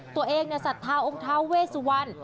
ตัวเองสัตว์ท้าองค์ท้าเวสวัน